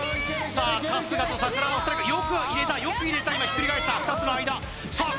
さあ春日と桜庭の２人よく入れたよく入れた今ひっくり返した２つの間さあ